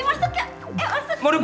masuk ya masuk